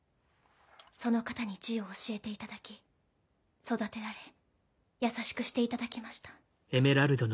その方に字を教えていただき育てられ優しくしていただきました。